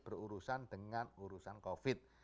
berurusan dengan urusan covid